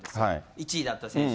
１位だった選手。